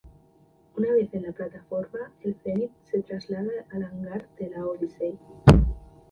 Una vez en la plataforma, el Zenit se traslada al hangar de la Odyssey.